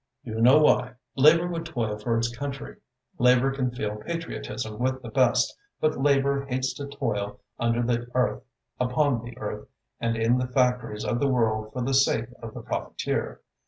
You know why. Labour would toil for its country, Labour can feel patriotism with the best, but Labour hates to toil under the earth, upon the earth, and in the factories of the world for the sake of the profiteer.